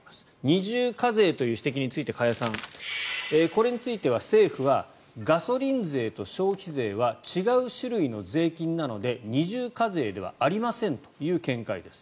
二重課税という指摘について加谷さんこれについては、政府はガソリン税と消費税は違う種類の税金なので二重課税ではありませんという見解です。